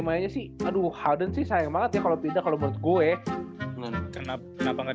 mainnya sih aduh halden sih sayang banget ya kalau tidak kalau menurut gue belum kenapa enggak